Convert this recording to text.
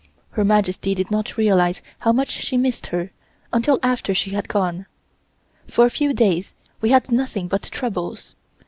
Her Majesty did not realize how much she missed her until after she had gone. For a few days we had nothing but troubles.